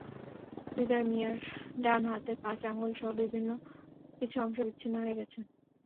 হৃদয় মিয়ার ডান হাতের পাঁচ আঙুলসহ কিছু অংশ বিচ্ছিন্ন হয়ে গেছে।